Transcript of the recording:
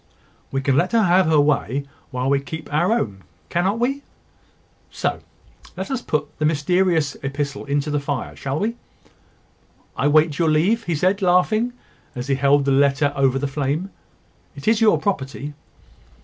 "We can let her have her way while we keep our own, cannot we? So, let us put the mysterious epistle into the fire shall we? I wait your leave," said he, laughing, as he held the letter over the flame. "It is your property."